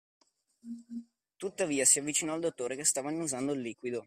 Tuttavia, si avvicinò al dottore, che stava annusando il liquido.